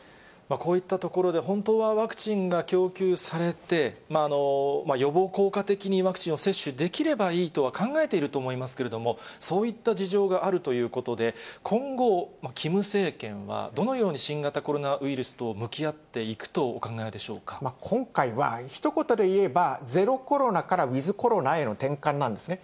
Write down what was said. こういったところで、本当はワクチンが供給されて、予防効果的にワクチンを接種できればいいとは考えていると思いますけれども、そういった事情があるということで、今後、キム政権は、どのように新型コロナウイルスと向き合っていくとお考えでし今回は、ひと言で言えばゼロコロナからウィズコロナへの転換なんですね。